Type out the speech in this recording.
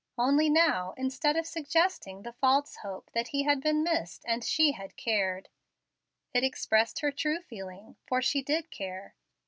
Only now, instead of suggesting the false hope that he had been missed and she had cared, it expressed her true feeling, for she did care.